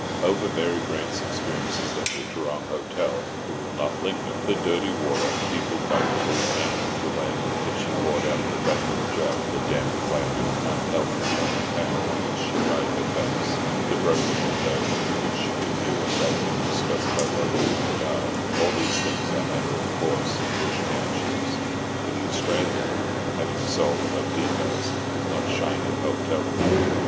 Over Mary Grant's experiences at the Tarrong Hotel we will not linger. The dirty water, peopled by wriggling animalculae, that she poured out of the bedroom jug; the damp, cloudy, unhealthy smelling towel on which she dried her face; the broken window through which she could hear herself being discussed by loafers in the yard; all these things are matters of course in bush townships, for the Australian, having a soul above details, does not shine at hotel keeping.